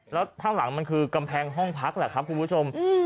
แล้วข้างหลังมันคือกำแพงห้องพักแหละครับคุณผู้ชม